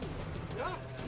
jangan jangan jangan